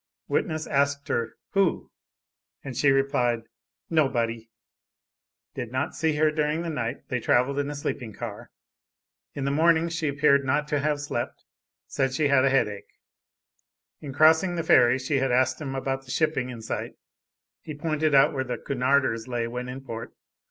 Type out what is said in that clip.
Witness asked her "Who?" and she replied "Nobody." Did not see her during the night. They traveled in a sleeping car. In the morning she appeared not to have slept, said she had a headache. In crossing the ferry she asked him about the shipping in sight; he pointed out where the Cunarders lay when in port.